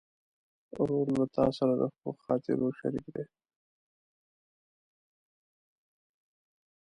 ورور له تا سره د ښو خاطرو شریک دی.